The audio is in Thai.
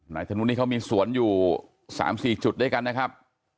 ถนนนี่เขามีสวนอยู่๓๔จุดด้วยกันนะครับ